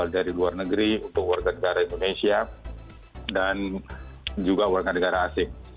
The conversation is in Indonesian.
dari luar negeri untuk warga negara indonesia dan juga warga negara asing